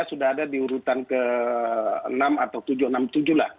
dia sudah ada diurutan ke enam atau tujuh enam tujuh lah